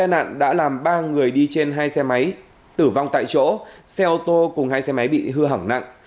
ba người đi trên hai xe máy tử vong tại chỗ xe ô tô cùng hai xe máy bị hư hỏng nặng